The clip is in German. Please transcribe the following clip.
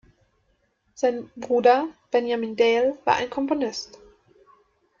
Sein Bruder Benjamin Dale war ein Komponist.